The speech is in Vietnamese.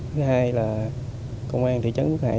thứ hai là công an thị trấn phước hải